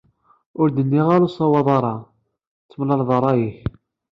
Ur d-nniɣ ara ur tessawaḍeḍ ara d-temleḍ rray-ik.